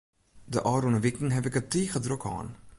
De ôfrûne wiken haw ik it tige drok hân.